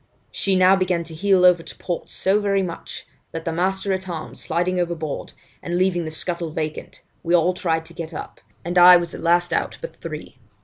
She now began to heel over to port so very much, that the master at arms, sliding overboard, and leaving the scuttle vacant, we all tried to get up, and I was the last out but three.